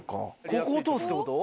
ここを通すってこと？